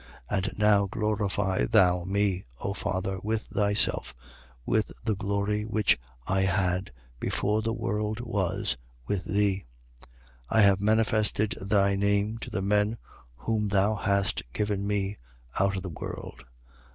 17:5. And now glorify thou me, O Father, with thyself, with the glory which I had, before the world was, with thee. 17:6. I have manifested thy name to the men whom thou hast given me out of the world.